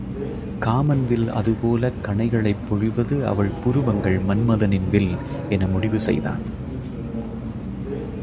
காமன்வில் அதுபோலக் கணைகளைப் பொழிவது அவள் புருவங்கள் மன்மதனின் வில் என முடிவு செய்தான்.